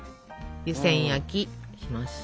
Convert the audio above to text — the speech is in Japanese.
湯せん焼きします。